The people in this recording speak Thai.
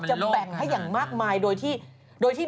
สวัสดีค่าข้าวใส่ไข่